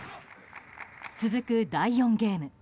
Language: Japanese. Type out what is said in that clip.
続く第４ゲーム。